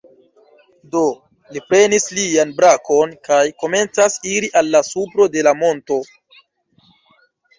Do li prenis lian brakon kaj komencas iri al la supro de la monto.